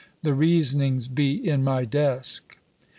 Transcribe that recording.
The reasonings be in my desk."